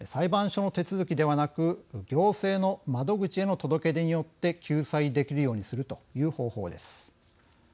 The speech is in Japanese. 裁判所の手続きではなく行政の窓口への届け出によって救済できるようにするという方法です。